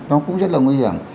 nó cũng rất là nguy hiểm